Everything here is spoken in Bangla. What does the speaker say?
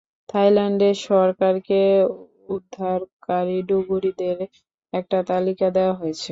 থাইল্যান্ডের সরকারকে উদ্ধারকারী ডুবুরিদের একটা তালিকা দেয়া হয়েছে।